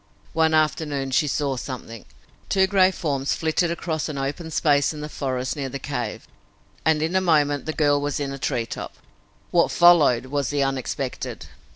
One afternoon she saw something. Two gray forms flitted across an open space in the forest near the cave, and in a moment the girl was in a treetop. What followed was the unexpected.